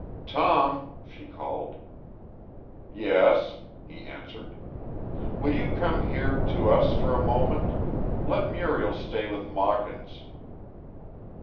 "Tom!" she called. "Yes?" he answered. "Will you come here, to us, for a moment? Let Muriel stay with Mawkins."